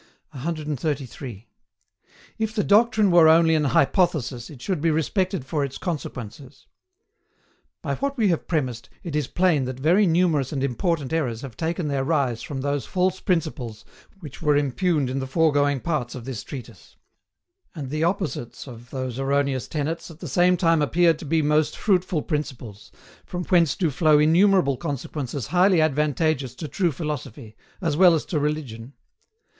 133. IF THE DOCTRINE WERE ONLY AN HYPOTHESIS IT SHOULD BE RESPECTED FOR ITS CONSEQUENCES. By what we have premised, it is plain that very numerous and important errors have taken their rise from those false Principles which were impugned in the foregoing parts of this treatise; and the opposites of those erroneous tenets at the same time appear to be most fruitful Principles, from whence do flow innumerable consequences highly advantageous to true philosophy, as well as to religion.